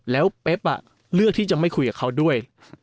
แล้วเป๊บเลือกที่จะไม่คุยกับเขาด้วย